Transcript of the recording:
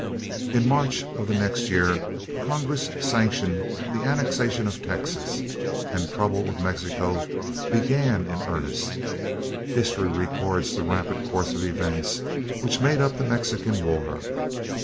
In March of the next year, Congress sanctioned the annexation of Texas, and trouble with Mexico began in earnest. History records the rapid course of events which made up the Mexican War.